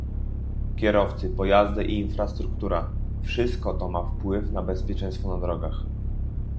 Kierowcy, pojazdy i infrastruktura - wszystko to ma wpływ na bezpieczeństwo na drogach